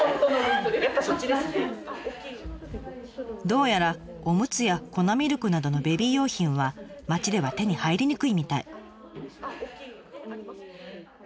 どうやらオムツや粉ミルクなどのベビー用品は町では手に入りにくいみたい。